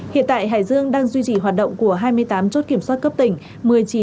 hiện tại hải dương đang duy trì hoạt động của hai mươi tám chốt kiểm soát cấp tỉnh